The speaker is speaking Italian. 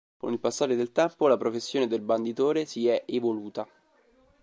Con il passare del tempo, la professione del banditore si è evoluta.